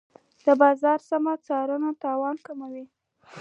د بازار سمه څارنه تاوان کموي.